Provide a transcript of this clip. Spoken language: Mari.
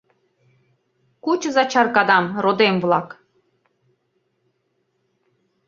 — Кучыза чаркадам, родем-влак!